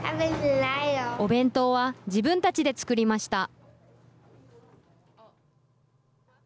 お弁当は自分たちで作りました。